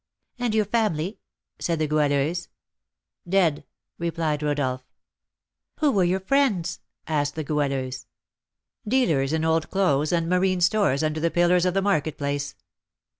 "And your family?" said the Goualeuse. "Dead," replied Rodolph. "Who were your friends?" asked the Goualeuse. "Dealers in old clothes and marine stores under the pillars of the market place."